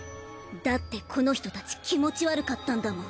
だってこの人たち気持ち悪かったんだもん！